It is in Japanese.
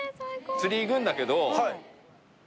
釣り行くんだけど。